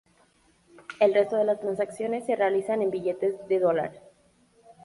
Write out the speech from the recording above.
El resto de las transacciones se realizan en billetes de dólar.